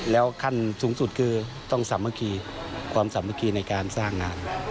แล้วขั้นสูงสุดคือต้องสามัคคีความสามัคคีในการสร้างงาน